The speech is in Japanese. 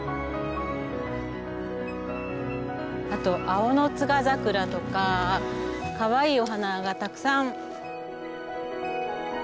あとアオノツガザクラとかかわいいお花がたくさん。